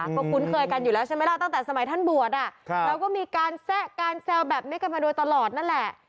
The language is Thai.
ก็คุ้นเคยกันอยู่แล้วใช่ไหมล่ะตั้งแต่สมัยท่านบวชเราก็มีการแซะการแซวแบบนี้กันมาโดยตลอดนั่นแหละ